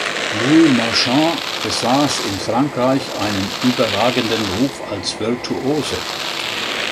Louis Marchand besaß in Frankreich einen überragenden Ruf als Virtuose.